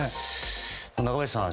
中林さん